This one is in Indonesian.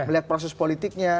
melihat proses politiknya